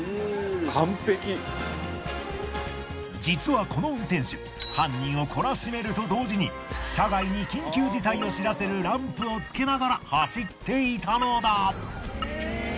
実はこの運転手犯人を懲らしめると同時に車外に緊急事態を知らせるランプをつけながら走っていたのだ。